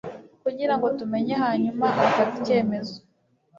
Kugirango tumenye hanyuma afata icyemezo